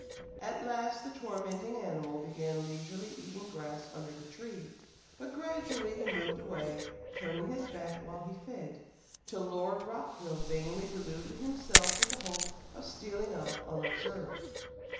At last the tormenting animal began leisurely eating grass under the tree, but gradually he moved away, turning his back while he fed, till Lord Rockville vainly deluded himself with the hope of stealing off unobserved.